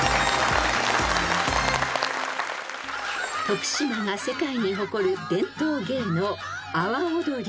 ［徳島が世界に誇る伝統芸能］